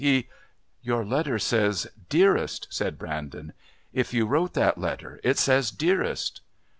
He " "Your letter says 'Dearest'," said Brandon. "If you wrote that letter it says 'Dearest'."